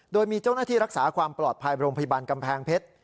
โดยมีเจ้าหน้าที่รักษาความปลอดภัยโรงพยาบาลกำแพงเพชร